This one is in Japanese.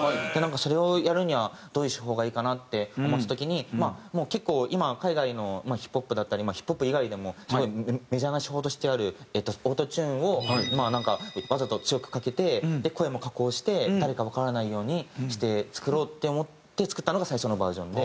それをやるにはどういう手法がいいかなって思った時にもう結構今海外のヒップホップだったりヒップホップ以外でもメジャーな手法としてあるオートチューンをまあなんかわざと強くかけて声も加工して誰かわからないようにして作ろうって思って作ったのが最初のバージョンで。